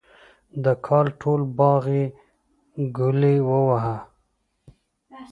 د کال ټول باغ یې ګلي وواهه.